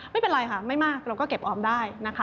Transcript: ไม่เป็นไรค่ะไม่มากเราก็เก็บออมได้นะคะ